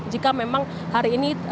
jika memang hari ini